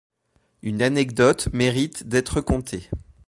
Une anecdote mérite d'être contée.